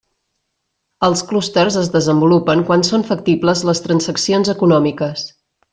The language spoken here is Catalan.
Els clústers es desenvolupen quan són factibles les transaccions econòmiques.